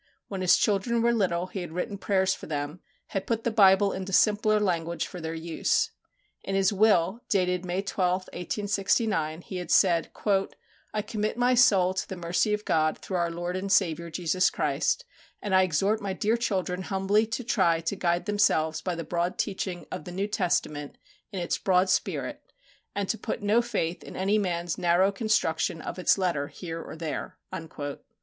When his children were little, he had written prayers for them, had put the Bible into simpler language for their use. In his will, dated May 12, 1869, he had said, "I commit my soul to the mercy of God through our Lord and Saviour Jesus Christ, and I exhort my dear children humbly to try to guide themselves by the broad teaching of the New Testament in its broad spirit, and to put no faith in any man's narrow construction of its letter here or there."